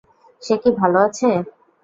সে কি ভালো আছে?